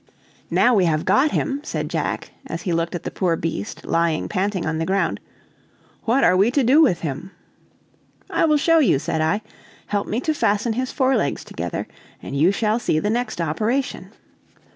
"Now we have got him," said Jack, as he looked at the poor beast, lying panting on the ground, "what are we to do with him?" "I will show you," said I; "help me to fasten his forelegs together, and you shall see the next operation."